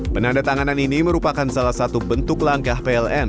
penanda tanganan ini merupakan salah satu bentuk langkah plm